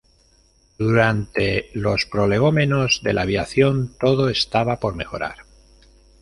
Durante los prolegómenos de la aviación todo estaba por mejorar.